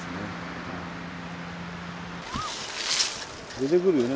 出てくるよね。